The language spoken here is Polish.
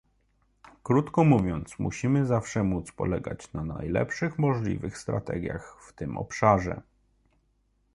Krótko mówiąc, musimy zawsze móc polegać na najlepszych możliwych strategiach w tym obszarze